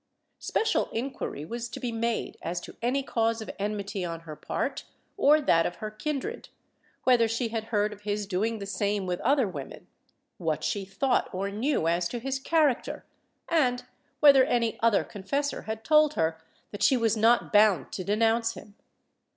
Special inquiry was to be made as to any cause of enmity on her part or that of her kindred; whether she had heard of his doing the same with other women; what she thought or knew as to his character, and whether any other con fessor had told her that she was not bound to denounce him.